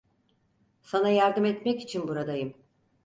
Sana yardım etmek için buradayım.